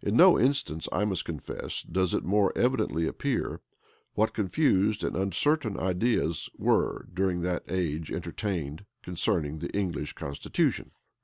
In no instance I must confess, does it more evidently appear, what confused and uncertain ideas were during that age entertained concerning the English constitution.